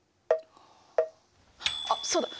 あっそうだ！